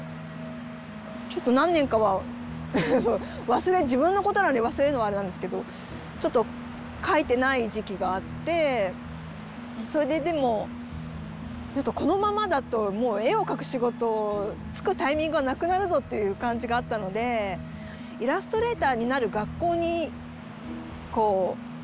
ちょっと何年かは自分のことなのに忘れるのもあれなんですけどちょっと描いてない時期があってそれででもちょっとこのままだともう絵を描く仕事就くタイミングがなくなるぞっていう感じがあったのでイラストレーターになる学校に行こうと思って。